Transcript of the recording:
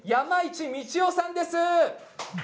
山市道夫さんです。